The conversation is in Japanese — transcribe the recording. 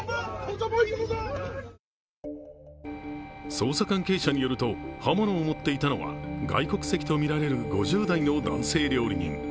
捜査関係者によると、刃物を持っていたのは外国籍とみられる５０代の男性料理人。